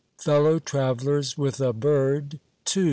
FELLOW TRAVELLERS WITH A BIRD, II.